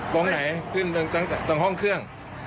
ตรงไหนขึ้นตรงห้องเครื่อง